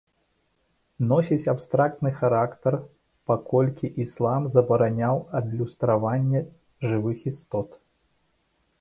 Носіць абстрактны характар, паколькі іслам забараняў адлюстраванне жывых істот.